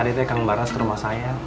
tadi teh kang baras ke rumah saya